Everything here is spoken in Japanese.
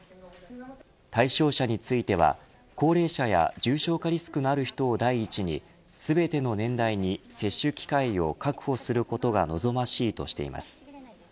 対象者については高齢者や重症化リスクのある人を第一に全ての年代に接種機会を確保することが望ましいとしています。